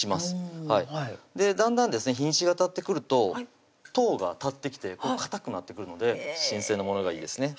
だんだんですね日にちがたってくるととうが立ってきてかたくなってくるので新鮮なものがいいですね